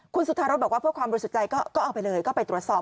คุณสุธารสบอกว่าเพื่อความบริสุทธิ์ใจก็เอาไปเลยก็ไปตรวจสอบ